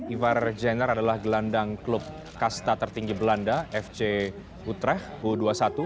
ivar jenner adalah gelandang klub kasta tertinggi belanda fc utrech u dua puluh satu